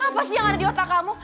apa sih yang ada di otak kamu